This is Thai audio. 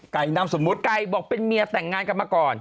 นามสมมุติไก่บอกเป็นเมียแต่งงานกันมาก่อน